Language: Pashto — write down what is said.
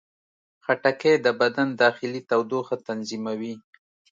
خټکی د بدن داخلي تودوخه تنظیموي.